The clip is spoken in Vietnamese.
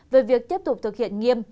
về việc tiếp tục thực hiện nghiêm